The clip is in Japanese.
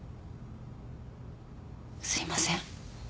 すいません。